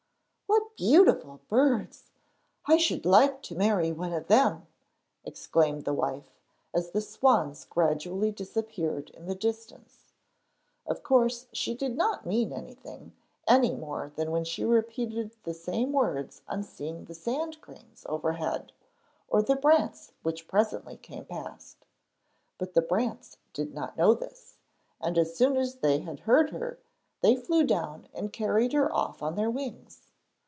'What beautiful birds! I should like to marry one of them!' exclaimed the wife, as the swans gradually disappeared in the distance. Of course she did not mean anything, any more than when she repeated the same words on seeing the sand cranes overhead, or the brants which presently came past. But the brants did not know this, and as soon as they heard her they flew down and carried her off on their wings.